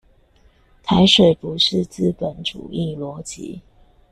台水不是資本主義邏輯